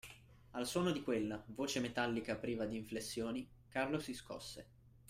Al suono di quella, voce metallica priva di inflessioni, Carlo si scosse.